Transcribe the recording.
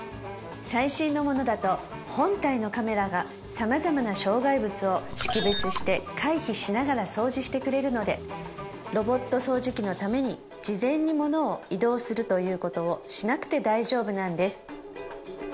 最新のものだと本体のカメラが様々な障害物を識別して回避しながら掃除してくれるのでロボット掃除機のために事前に物を移動するということをしなくて大丈夫なんです